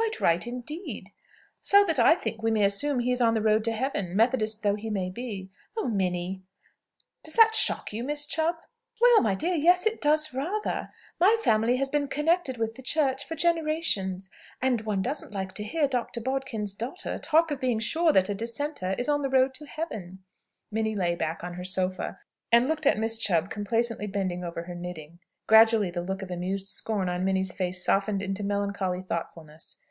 Quite right, indeed." "So that I think we may assume that he is on the road to Heaven, Methodist though he be." "Oh, Minnie!" "Does that shock you, Miss Chubb?" "Well, my dear, yes; it does, rather. My family has been connected with the Church for generations. And one doesn't like to hear Dr. Bodkin's daughter talk of being sure that a Dissenter is on the road to Heaven." Minnie lay back on her sofa, and looked at Miss Chubb complacently bending over her knitting. Gradually the look of amused scorn on Minnie's face softened into melancholy thoughtfulness.